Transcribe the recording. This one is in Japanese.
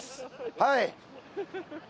はい。